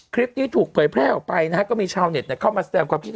คลิปนี้ถูกเผยแพร่ออกไปนะฮะก็มีชาวเน็ตเข้ามาแสดงความคิดเห็น